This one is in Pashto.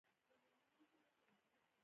د صبر لمن د امید فضا ده.